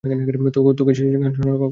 তোকে সে গান শোনালো কখন?